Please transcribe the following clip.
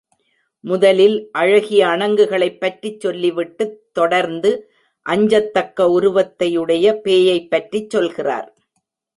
முதலில் அழகிய அணங்குகளைப் பற்றிச் சொல்லி விட்டுத் தொடர்ந்து அஞ்சத்தக்க உருவத்தையுடைய பேயைப் பற்றிச் சொல்கிறார்.